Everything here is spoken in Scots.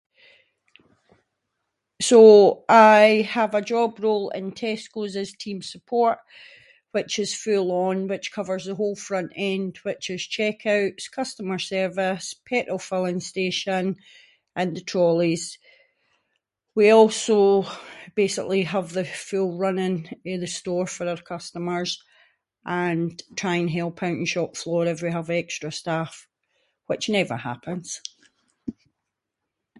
So, I have a job role in Tesco’s as team support, which is full on which covers the whole front-end which is checkouts, customer service, petrol filling station, and the trollies. We also basically have the full running of the store for our customers and try and help out in shop floor if we have extra staff, which never happens.